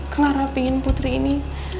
clara pingin putri ini